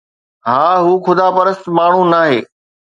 ها، هو خدا پرست ماڻهو ناهي